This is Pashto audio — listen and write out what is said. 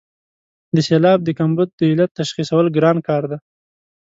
د سېلاب د کمبود د علت تشخیصول ګران کار دی.